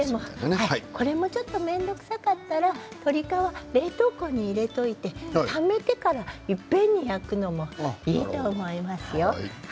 これもちょっと面倒くさかったら鶏皮を冷凍庫に入れておいてためてからいっぺんに焼くのもいいと思いますよ。